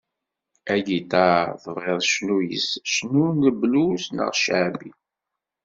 Agiṭar, tebɣiḍ cnu yess ccna n blues neɣ ceɛbi.